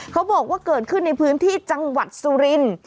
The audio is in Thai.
เขาบอกว่าเกิดขึ้นในพื้นที่จังหวัดสุรินทร์